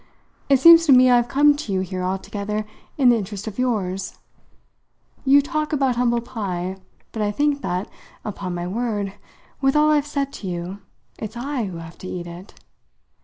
It seems to me I've come to you here altogether in the interest of yours. You talk about humble pie, but I think that, upon my word with all I've said to you it's I who have had to eat it.